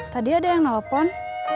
tadi ada yang ngelepon